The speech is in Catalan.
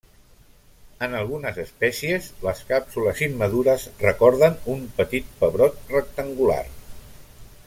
En algunes espècies les càpsules immadures recorden un petit pebrot rectangular.